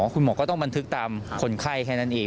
คุณหมอก็ต้องบันทึกตามคนไข้แค่นั้นเอง